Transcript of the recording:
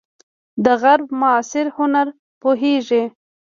د غرب معاصر هنر پوهیږئ؟